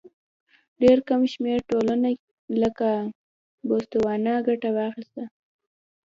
ډېر کم شمېر ټولنو لکه بوتسوانیا ګټه واخیسته.